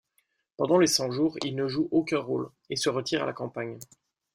Pendant les Cent-Jours, il ne joue aucun rôle, et se retire à la campagne.